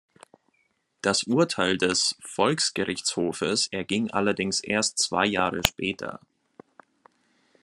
Das Urteil des Volksgerichtshofes erging allerdings erst zwei Jahre später.